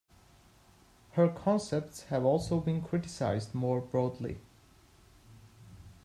Her concepts have also been criticized more broadly.